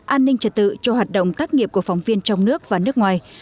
an ninh trật tự cho hoạt động tác nghiệp của phóng viên trong nước và nước ngoài